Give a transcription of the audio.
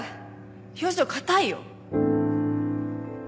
表情硬いよ。